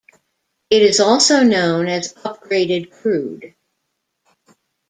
It is also known as "upgraded crude".